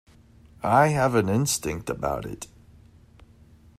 I have an instinct about it.